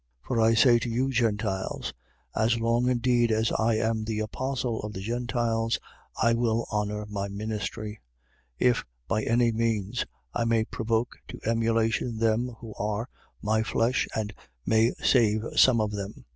11:13. For I say to you, Gentiles: As long indeed as I am the apostle of the Gentiles, I will honour my ministry, 11:14. If, by any means, I may provoke to emulation them who are my flesh and may save some of them.